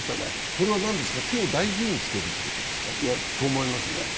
それは手を大事にしてるってことですか？と思いますね。